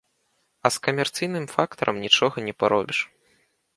А з камерцыйным фактарам нічога не паробіш.